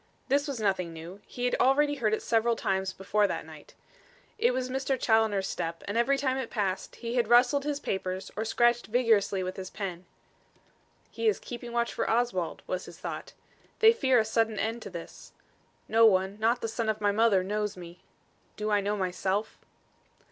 This was nothing new. He had already heard it several times before that night. It was Mr. Challoner's step, and every time it passed, he had rustled his papers or scratched vigorously with his pen. "He is keeping watch for Oswald," was his thought. "They fear a sudden end to this. No one, not the son of my mother knows me. Do I know myself?"